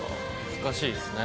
難しいですね。